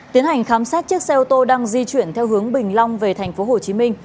tiến hành khám xét chiếc xe ô tô đang di chuyển theo hướng bình long về thành phố hồ chí minh